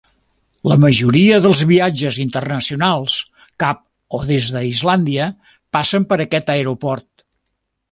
La majoria dels viatges internacionals cap o des d'Islàndia passen per aquest aeroport.